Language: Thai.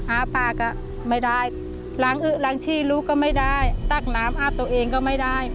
อ้าปากก็ไม่ได้ล้างอึ๊กล้างชี้ลุกก็ไม่ได้ตากน้ำอาดตัวเองก็ไม่ได้